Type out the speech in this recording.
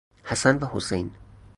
حسن و حسین